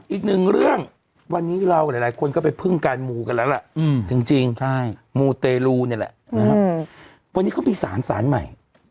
อีกหนึ่งเรื่องวันนี้เราหลายคนก็ไปพึ่งการมูกันแล้วล่ะจริงมูเตรลูนี่แหละนะครับวันนี้เขามีสารสารใหม่